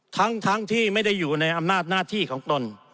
ทั้งที่ไม่ได้อยู่ในอำนาจหน้าที่ของตน